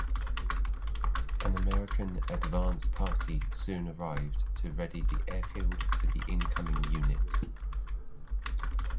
An American advance party soon arrived to ready the airfield for the incoming units.